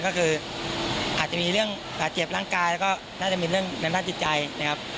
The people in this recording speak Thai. คืออาจจะมีเรื่องแต่เจ็บร่างกายก็น่าจะมีเรื่องแผนทับจิตใจนะครับ